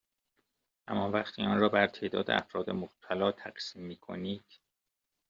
اما وقتی آن را بر تعداد افراد مبتلا تقسیم میکنید